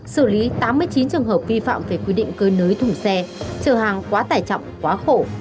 xử lý tám mươi chín trường hợp vi phạm về quy định cơi nới thùng xe trở hàng quá tải chậm quá khổ